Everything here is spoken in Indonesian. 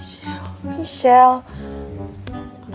kenapa itu bisa terjadi